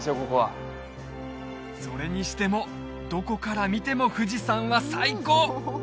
ここはそれにしてもどこから見ても富士山は最高！